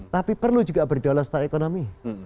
tapi perlu juga berdaulat secara ekonomi